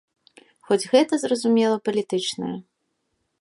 Хоць гэта, зразумела, палітычнае.